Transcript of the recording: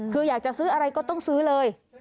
คืออยากจะซื้ออะไรก็ต้องซื้อเลย